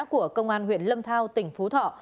của công an huyện lâm thao tỉnh phú thọ